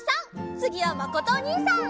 つぎはまことおにいさん！